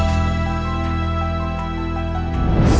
รับทราบ